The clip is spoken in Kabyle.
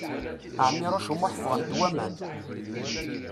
Ɛmiṛuc U Muḥ ffɣent waman.